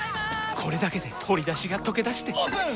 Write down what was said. これだけで鶏だしがとけだしてオープン！